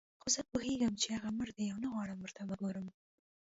خو زه پوهېږم چې هغه مړ دی او نه غواړم ورته وګورم.